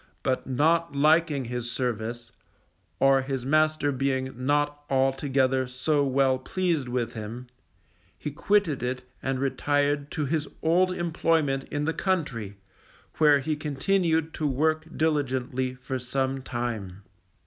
But not liking his service, or his master being not altogether so well pleased with him, he quitted it and retired to his old employment in the country, where he continued to work diligently for some time.